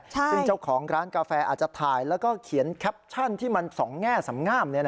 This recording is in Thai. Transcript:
ซึ่งเจ้าของร้านกาแฟอาจจะถ่ายแล้วก็เขียนแคปชั่นที่มันสองแง่สำงาม